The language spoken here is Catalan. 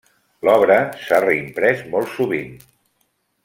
L'obra s'ha reimprès molt sovint.